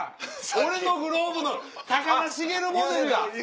俺のグローブの高田繁モデルや！